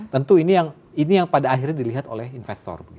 tentu ini yang pada akhirnya dilihat oleh investor